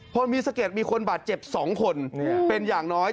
พอมีสะเก็ดมีคนบาดเจ็บ๒คนเป็นอย่างน้อย